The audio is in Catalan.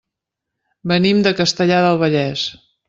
Venim de Castellar del Vallès.